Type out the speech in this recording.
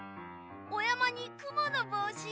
おやまにくものぼうし！